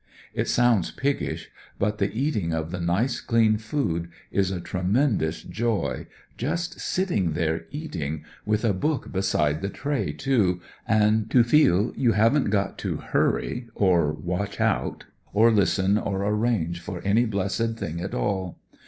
It sounds piggish, but the eating of the nice clean food is a tremen THE DIFFERENCE 199 dous joy, just sitting there eating, with a book beside the tray too, and to feel you haven't got to hurry, or watch out, or listen, or arrange for any blessed thing at all.